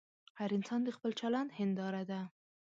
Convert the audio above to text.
هر انسان د خپل چلند هنداره ده.